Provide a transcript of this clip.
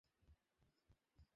নাও, কিছু খেয়ে নাও।